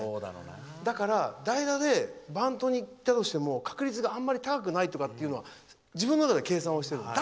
だから、代打でバントに行ったとしても確率があんまり高くないとかは自分の中で計算をしているんです。